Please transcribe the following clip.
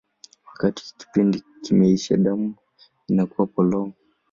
Wakati kipindi kimeisha, damu inakuwa polong.